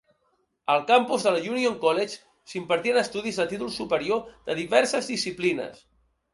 Al campus de la Union College s'impartien estudis de títol superior de diverses disciplines.